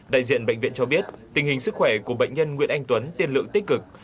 đại diện bệnh viện cho biết tình hình sức khỏe của bệnh nhân nguyễn anh tuấn tiên lượng tích cực